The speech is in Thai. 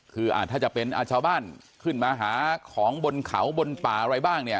คือถ้าจะเป็นชาวบ้านขึ้นมาหาของบนเขาบนป่าอะไรบ้างเนี่ย